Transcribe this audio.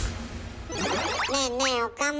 ねえねえ岡村。